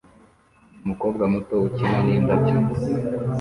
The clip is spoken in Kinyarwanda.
Umukobwa muto ukina n'indabyo